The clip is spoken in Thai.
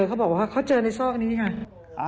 เขาบอกว่าเขาเจอในซอกนี้ไง